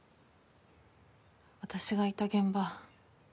私がいた現場